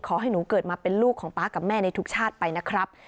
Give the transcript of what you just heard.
ขอให้หนูเกิดมาเป็นลูกของป๊ากับแม่ในทุกชาติไปนะครับ